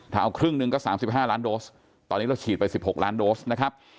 ถ้าเอาครึ่งหนึ่งก็๓๕ล้านโดสตอนนี้เราฉีดไป๑๖ล้านโดสนะครับ